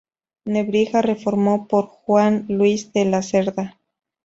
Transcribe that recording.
Nebrija reformado por Juan Luis de la Cerda.